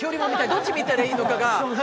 どっち見たらいいのかが。